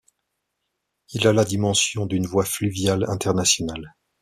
Il a la dimension d'une voie fluviale internationale.